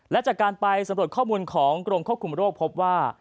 และจากการไปสำรวจข้อมูลของกรมควบคุมโรคพบว่า